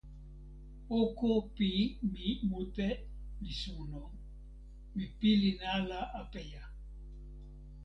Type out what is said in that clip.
oko pi mi mute li suno. mi pilin ala apeja.